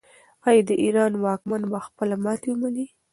آیا د ایران واکمن به خپله ماتې ومني؟